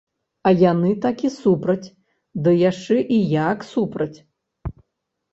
А яны такі супраць, ды яшчэ і як супраць.